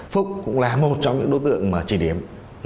phúc cũng là một trong những đối tượng trị điểm